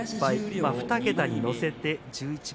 今２桁に乗せて１１番。